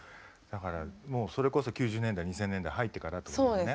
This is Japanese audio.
だからもうそれこそ９０年代２０００年代入ってからというね。